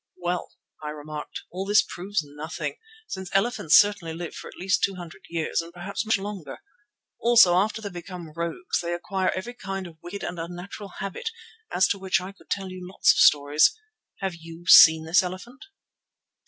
"Well," I remarked, "all this proves nothing, since elephants certainly live for at least two hundred years, and perhaps much longer. Also, after they become 'rogues' they acquire every kind of wicked and unnatural habit, as to which I could tell you lots of stories. Have you seen this elephant?"